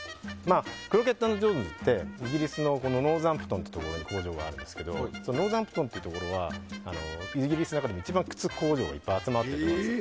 クロケット＆ジョーンズってイギリスのノーサンプトンってところに工場があるんですけれどもそのノーサンプトンってところはイギリスの中でも一番靴工場が集まっています。